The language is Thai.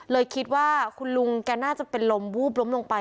เลยคิดว่าคุณลุงแกน่าจะเป็นลมวูบล้มลงไป